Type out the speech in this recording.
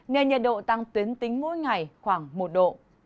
nên nhiệt độ tăng tuyến tính mỗi ngày khoảng một độ